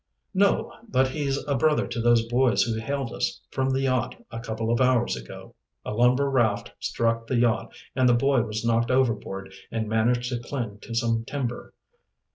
"No, but he's a brother to those boys who hailed us from the yacht a couple of hours ago. A lumber raft struck the yacht and the boy was knocked overboard and managed to cling to some timber."